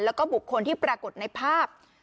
แล้วก็บุคคลที่ปรากฏในภาพ